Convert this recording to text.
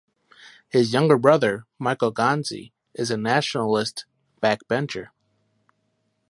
His younger brother, Michael Gonzi, is a Nationalist backbencher.